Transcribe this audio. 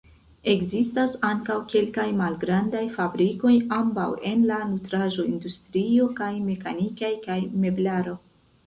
Ekzistas ankaŭ kelkaj malgrandaj fabrikoj, ambaŭ en la nutraĵo-industrio kaj mekanikaj kaj meblaro.